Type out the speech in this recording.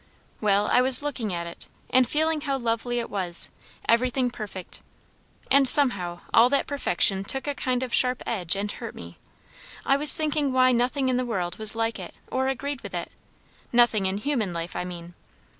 "Well, I was looking at it, and feeling how lovely it was; everything perfect; and somehow all that perfection took a kind of sharp edge and hurt me. I was thinking why nothing in the world was like it, or agreed with it; nothing in human life, I mean.